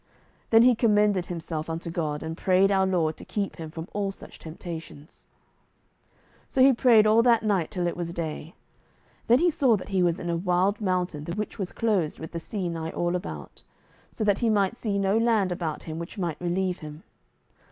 Then he commended himself unto God, and prayed our Lord to keep him from all such temptations. So he prayed all that night till it was day. Then he saw that he was in a wild mountain the which was closed with the sea nigh all about, so that he might see no land about him which might relieve him.